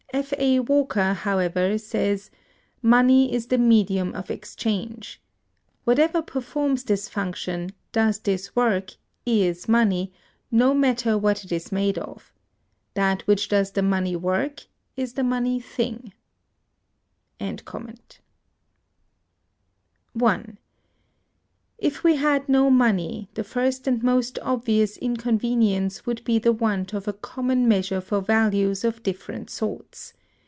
F. A. Walker,(221) however, says: "Money is the medium of exchange. Whatever performs this function, does this work, is money, no matter what it is made of.... That which does the money work is the money thing." (1.) [If we had no money] the first and most obvious [inconvenience] would be the want of a common measure for values of different sorts.